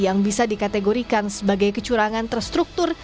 yang bisa dikategorikan sebagai kecurangan terstruktur